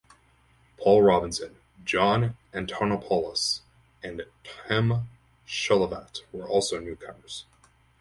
Paul Robinson, John Antonopolous, and Tim Cholvat were also newcomers.